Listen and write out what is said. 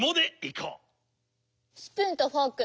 スプーンとフォーク